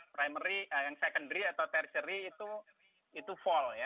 primary yang secondary atau tersery itu fall ya